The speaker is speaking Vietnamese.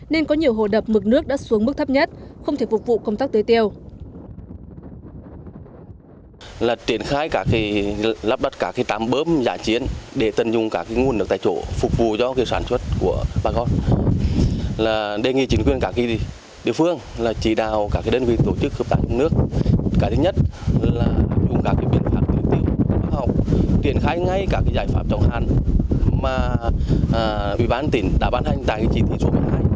nên có nhiều hồ đập mực nước đã xuống mức thấp nhất không thể phục vụ công tác tới tiêu